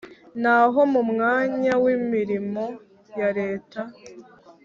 naho mu myanya y’imirimo ya reta